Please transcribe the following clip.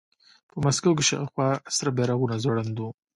په مسکو کې شاوخوا سره بیرغونه ځوړند وو